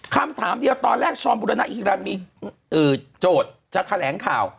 คำถามเดียวตอนแรกชอมบุรณอิฮิรันมีโจทย์จะแถลงข่าว